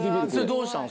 どうしたの？